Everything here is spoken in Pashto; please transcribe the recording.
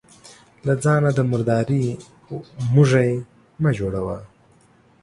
له ځانه د مرداري موږى مه جوړوه.